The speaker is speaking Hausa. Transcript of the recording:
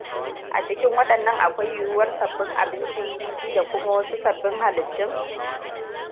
A cikin waɗannan akwai yiwuwar sabbin abincin kifi da kuma wasu sabbin halittun.